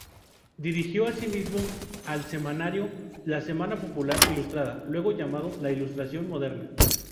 Dirigió asimismo el semanario "La Semana Popular Ilustrada", luego llamado "La Ilustración Moderna.